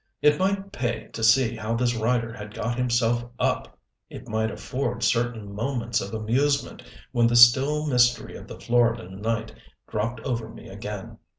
It might pay to see how this rider had got himself up! It might afford certain moments of amusement when the still mystery of the Floridan night dropped over me again.